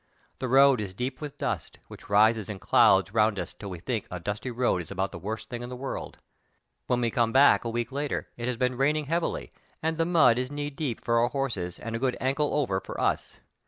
The road is deep with dust, which rises in clouds around us till we think a dusty road is about the worst thing in the world*. When we come back a week later it has been rain ing heavily and the mud is knee deep for our horses and a good "ankle over" for us.